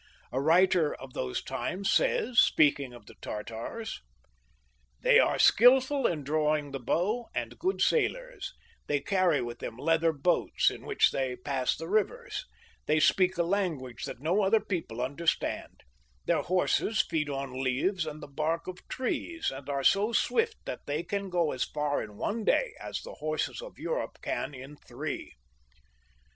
A writer of those times says, speaking of the Tartars, " They are skilful in drawing the bow, and good sailors ; they carry with them leather boats, in which they pass the rivers ; they speak a language that no other people under stand ; their horses feed on leaves and the bark of trees, and are so swift that they can go as far, in one day, as the horses of Europe can in three."